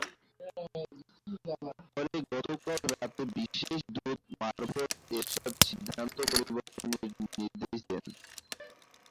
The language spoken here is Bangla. পরে গতকাল রাতে বিশেষ দূত মারফত এরশাদ সিদ্ধান্ত পরিবর্তনের নির্দেশ দেন।